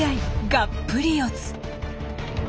がっぷり四つ。